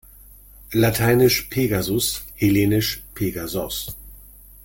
Lateinisch Pegasus, hellenisch Pegasos.